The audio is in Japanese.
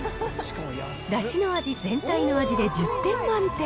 だしの味、全体の味で１０点満点。